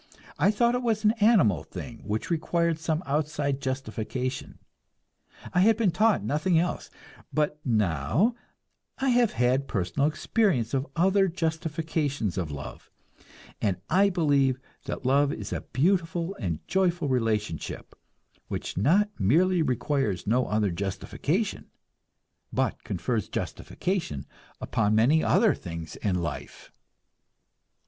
I thought it was an animal thing which required some outside justification. I had been taught nothing else; but now I have had personal experience of other justifications of love, and I believe that love is a beautiful and joyful relationship, which not merely requires no other justification, but confers justification upon many other things in life.